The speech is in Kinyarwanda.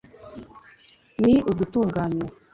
ni ugutunganywa